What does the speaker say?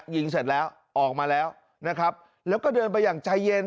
เสร็จแล้วออกมาแล้วนะครับแล้วก็เดินไปอย่างใจเย็น